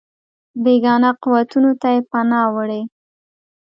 بېګانه قوتونو ته یې پناه وړې.